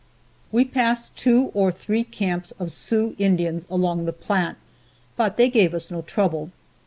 We passed two or three camps of Sioux Indians along the Platte, but they gave us no trouble.